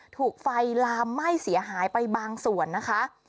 ถูกไฟลามไหม้เสียหายไปบางส่วนนะคะ